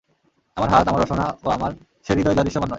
আমার হাত, আমার রসনা ও আমার সে হৃদয় যা দৃশ্যমান নয়।